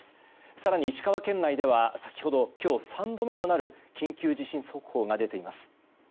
更に、石川県内では先ほど今日３度目となる緊急地震速報が出ています。